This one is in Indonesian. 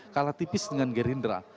kalah tipis dengan gerindra